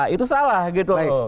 itu salah gitu lho